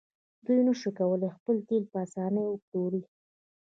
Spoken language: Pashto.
دوی نشي کولی خپل تیل په اسانۍ وپلوري.